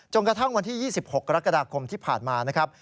กระทั่งวันที่๒๖กรกฎาคมที่ผ่านมานะครับ